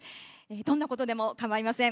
どんなことでも構いません。